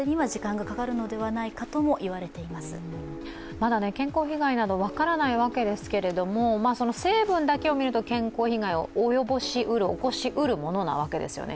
まだ健康被害など、分からないわけですけれども、成分だけを見ると健康被害を及ぼしうる、起こしうるものなわけですよね。